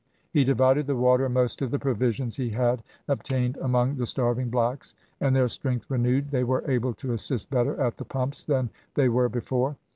He divided the water and most of the provisions he had obtained among the starving blacks, and their strength renewed, they were able to assist better at the pumps than they were before.